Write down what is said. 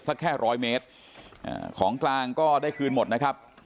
สักแค่ร้อยเมตรอ่าของกลางก็ได้คืนหมดนะครับ